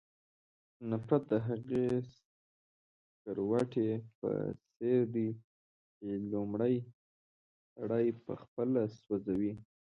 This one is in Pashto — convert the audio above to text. نفرت د هغې سکروټې په څېر دی چې لومړی سړی پخپله سوځوي.